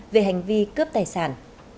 về hành vi cướp tài sản